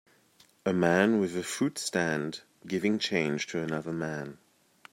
A man with a fruit stand giving change to another man.